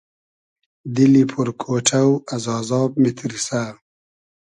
دیلی پور کۉݖۆ از آزاب میتیرسۂ